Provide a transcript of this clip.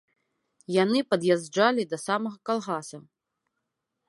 Яны пад'язджалі да самага калгаса.